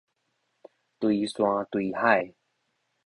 堆山堆海